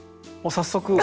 早速。